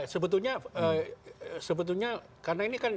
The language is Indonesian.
sebetulnya karena ini kan